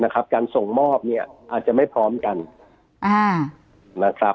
การส่งมอบอาจจะไม่พร้อมกันนะครับ